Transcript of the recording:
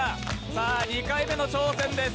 さあ２回目の挑戦です。